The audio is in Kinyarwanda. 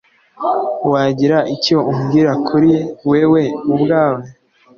Wagira icyo umbwira kuri wewe ubwawe?